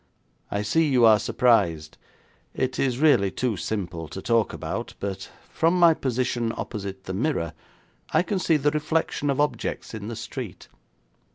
'I see you are surprised. It is really too simple to talk about, but, from my position opposite the mirror, I can see the reflection of objects in the street.